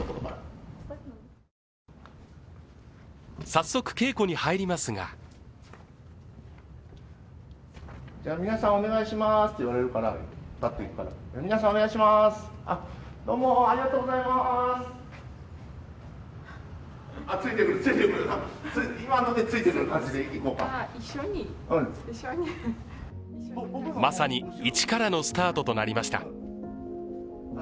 早速、稽古に入りますがまさに、一からのスタートとなりました。